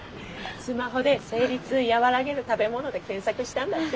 スマホで「生理痛和らげる食べ物」で検索したんだって。